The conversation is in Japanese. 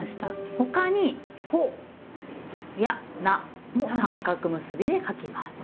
他に「ほ」や「な」も三角結びで書きます。